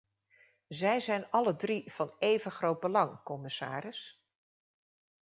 Zij zijn alledrie van even groot belang, commissaris.